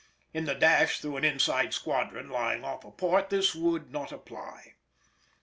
In the dash through an inside squadron lying off a port this would not apply.